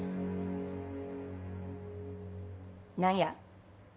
何や。